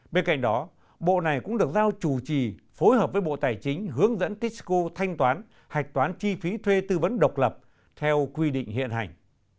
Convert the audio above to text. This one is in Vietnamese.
bên cạnh đó bộ này cũng được giao chủ trì phối hợp với bộ tài chính hướng dẫn tisco thanh toán hạch toán chi phí thuê tư vấn độc lập theo quy định hiện hành